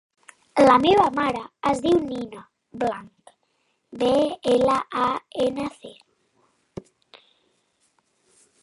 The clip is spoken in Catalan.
La meva mare es diu Nina Blanc: be, ela, a, ena, ce.